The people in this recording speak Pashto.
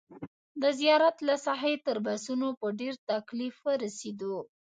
د زیارت له ساحې تر بسونو په ډېر تکلیف ورسېدو.